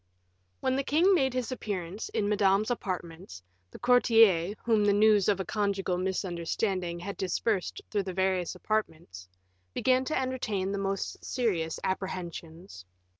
When the king made his appearance in Madame's apartments, the courtiers, whom the news of a conjugal misunderstanding had dispersed through the various apartments, began to entertain the most serious apprehensions.